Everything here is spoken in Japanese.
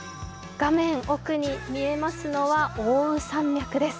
画面奥に見えますのは、奥羽山脈です。